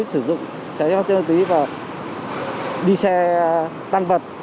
sử dụng chạy pháp trên bàn tí và đi xe tăng vật